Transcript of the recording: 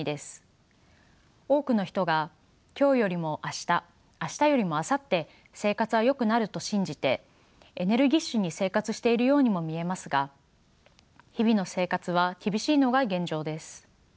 多くの人が今日よりも明日明日よりもあさって生活はよくなると信じてエネルギッシュに生活しているようにも見えますが日々の生活は厳しいのが現状です。